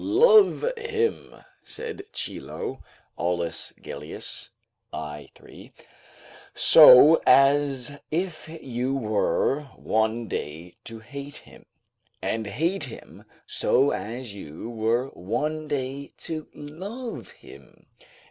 "Love him," said Chilo, [Aulus Gellius, i. 3.] "so as if you were one day to hate him; and hate him so as you were one day to love him."